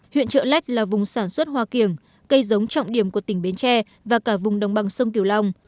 huyện trợ lách là vùng sản xuất hoa kiểng cây giống trọng điểm của tỉnh bến tre và cả vùng đồng bằng sông kiều long